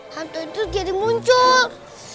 hantu itu jadi muncul